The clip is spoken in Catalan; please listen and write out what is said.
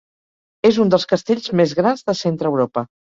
És un dels castells més grans de Centreeuropa.